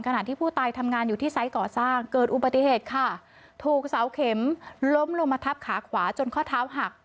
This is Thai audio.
ขณะที่ผู้ตายทำงานอยู่ที่ไซส์ก่อสร้างเกิดอุบัติเหตุค่ะถูกเสาเข็มล้มลงมาทับขาขวาจนข้อเท้าหัก